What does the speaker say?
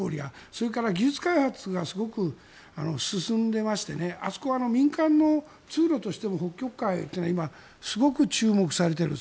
それから技術開発がすごく進んでいましてあそこは民間の通路としても北極海は今、すごく注目されている。